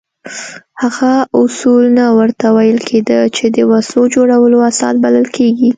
هغه اصول نه ورته ویل کېده چې د وسلو جوړولو اساس بلل کېږي.